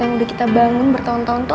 yang udah kita bangun bertahun tahun itu